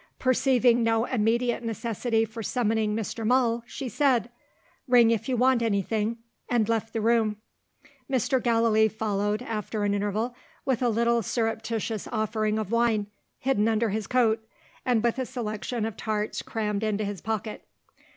Perceiving no immediate necessity for summoning Mr. Null, she said, "Ring, if you want anything," and left the room. Mr. Gallilee followed, after an interval, with a little surreptitious offering of wine (hidden under his coat); and with a selection of tarts crammed into his pocket.